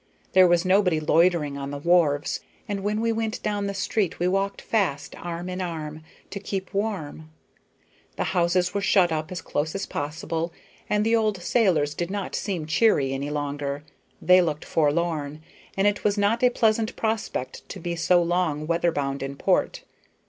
There was nobody loitering on the wharves, and when we went down the street we walked fast, arm in arm, to keep warm. The houses were shut up as close as possible, and the old sailors did not seem cheery any longer; they looked forlorn, and it was not a pleasant prospect to be so long weather bound in port.